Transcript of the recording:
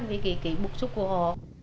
với cái bục trúc của họ